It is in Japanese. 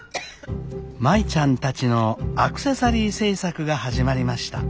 舞ちゃんたちのアクセサリー製作が始まりました。